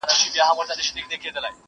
ټولنه خپل عيب نه مني تل..